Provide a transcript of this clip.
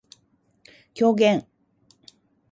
狂言